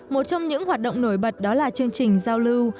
một trong những hoạt động nổi bật đó là chương trình giao lưu